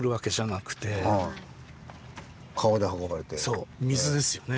そう水ですよね。